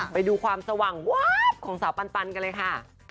ไปดูความสว่างวาบของสาวปันกันเลยค่ะ